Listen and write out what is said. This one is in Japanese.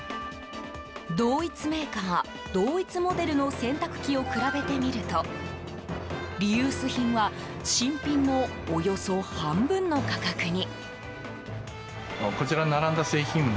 同一メーカー、同一モデルの洗濯機を比べてみるとリユース品は新品のおよそ半分の価格に。